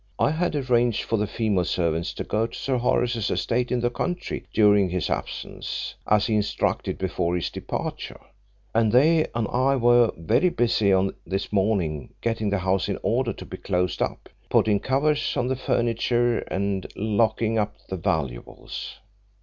I had arranged for the female servants to go to Sir Horace's estate in the country during his absence, as he instructed before his departure, and they and I were very busy on this morning getting the house in order to be closed up putting covers on the furniture and locking up the valuables.